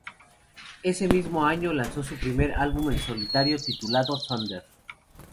Ese mismo año lanzó su primer álbum en solitario, titulado "Thunder".